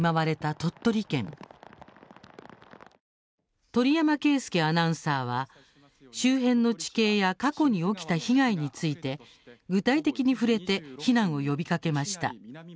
鳥山圭輔アナウンサーは周辺の地形や過去に起きた被害について具体的に触れて避難を呼びかけました。